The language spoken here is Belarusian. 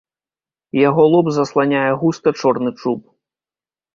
Яго лоб засланяе густа чорны чуб.